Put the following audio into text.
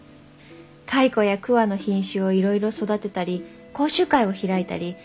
カイコやクワの品種をいろいろ育てたり講習会を開いたり。